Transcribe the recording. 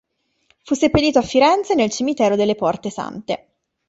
Fu seppellito a Firenze nel cimitero delle Porte Sante.